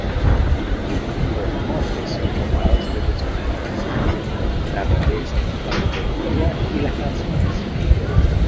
Los nombres son tomados de personas conocidas, la realeza, la mitología y las canciones.